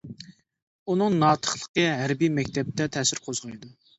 ئۇنىڭ ناتىقلىقى ھەربىي مەكتەپتە تەسىر قوزغايدۇ.